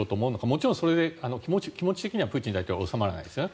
もちろんそれで気持ち的にはプーチン大統領は収まらないですよね。